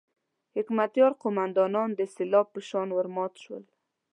حکمتیار قوماندانان د سېلاب په شان ورمات شول.